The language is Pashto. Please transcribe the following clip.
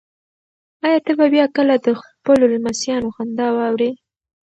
ایا ته به بیا کله د خپلو لمسیانو خندا واورې؟